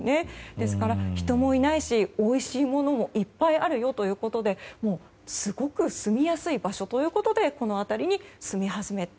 ですから、人もいないしおいしいものもいっぱいあるためすごくすみやすい場所ということでこの辺りに住み始めた。